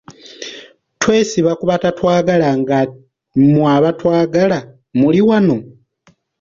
Twesiba ku batatwagala nga mmwe abatwagala muli wano!